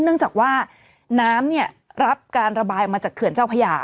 เนื่องจากว่าน้ำรับการระบายออกมาจากเขื่อนเจ้าพญา